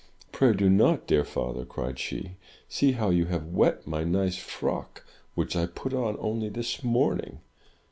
"Pray do not, dear father," cried she. "See how you have wet my nice frock, which I put on only this morning!